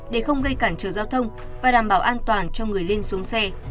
để không gây cản trở giao thông và đảm bảo an toàn cho người lên xuống xe